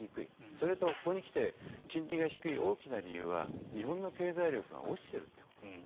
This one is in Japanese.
それとここに来て金利が低い大きな理由は日本の経済力が落ちてるんです。